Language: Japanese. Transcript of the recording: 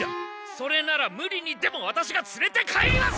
それならムリにでもワタシがつれて帰ります！